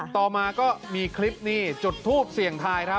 ต่อมาก็มีคลิปนี่จุดทูปเสี่ยงทายครับ